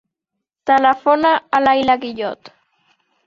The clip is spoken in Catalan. Telefona a l'Ayla Guillot.